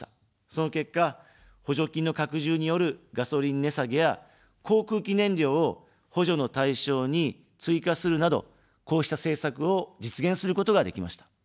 その結果、補助金の拡充によるガソリン値下げや航空機燃料を補助の対象に追加するなど、こうした政策を実現することができました。